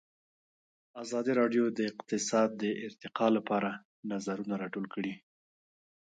ازادي راډیو د اقتصاد د ارتقا لپاره نظرونه راټول کړي.